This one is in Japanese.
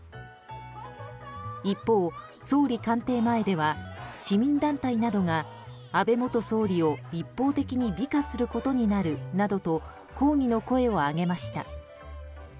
一方、政府官邸前では市民団体などが安倍元総理を一方的に美化することになるなどと抗議の声を上げました。